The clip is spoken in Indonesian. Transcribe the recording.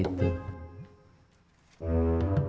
kalau dilihat dari namanya sih gitu